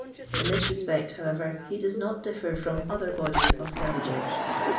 In this respect, however, ha does not differ fxoin other bodies of scavagers.